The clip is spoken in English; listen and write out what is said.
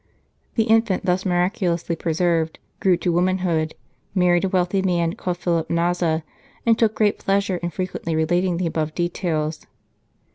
The infant thus miraculously preserved grew to womanhood, married a wealthy man called Philip Nava, and took great pleasure in frequently relating the above details.